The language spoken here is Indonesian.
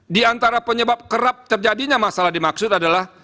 di antara penyebab kerap terjadinya masalah dimaksud adalah